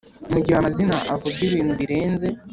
mu gihe amazina avuga ibintu birenze